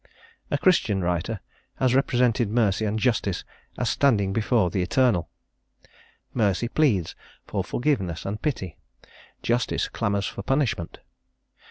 A Christian writer has represented Mercy and Justice as standing before the Eternal: Mercy pleads for forgiveness and pity, Justice clamours for punishment.